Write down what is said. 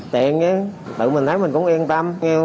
tiền tự mình thấy mình cũng yên tâm